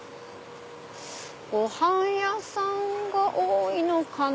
ごはん屋さんが多いのかな